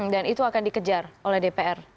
dan itu akan dikejar oleh dpr